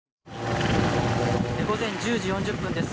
午前１０時４０分です。